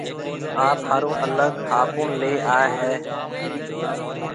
آپ هآرون الگ هابُڻ ليَ آيا هيَ۔